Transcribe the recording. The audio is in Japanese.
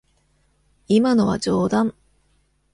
今のは冗談。